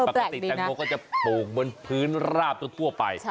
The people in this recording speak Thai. ปกติแตงโมก็จะผลงบนพื้นราบไป